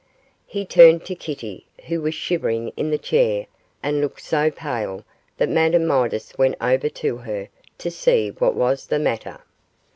He turned to Kitty, who was shivering in the chair and looked so pale that Madame Midas went over to her to see what was the matter.